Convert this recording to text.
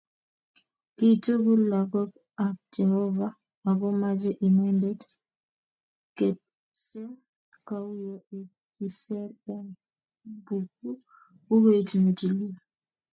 Kii tugul lakok ab Jeovah akomache Inendet ketbsee kouyo ikiser eng bukuit ne tilil